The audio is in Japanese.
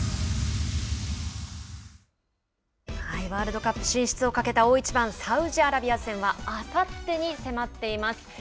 ワールドカップ進出をかけた大一番サウジアラビア戦はあさってに迫っています。